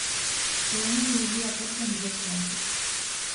Podemos dividir a Costa en dúas partes.